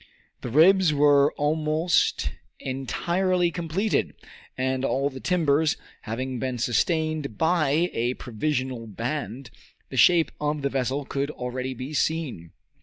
The ribs were almost entirely completed, and, all the timbers having been sustained by a provisional band, the shape of the vessel could already be seen.